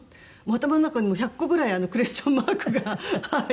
頭の中に１００個ぐらいクエスチョンマークがはい。